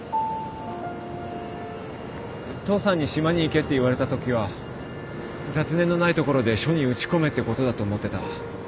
父さんに島に行けって言われたときは雑念のないところで書に打ち込めってことだと思ってた。